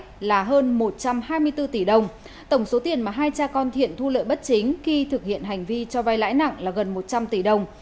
thiện và phong đã thu tổng số tiền các khoản lãi là hơn một trăm hai mươi bốn tỷ đồng tổng số tiền mà hai cha con thiện thu lợi bất chính khi thực hiện hành vi cho vai lãi nặng là gần một trăm linh tỷ đồng